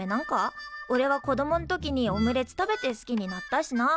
おれは子供ん時にオムレツ食べて好きになったしなあ。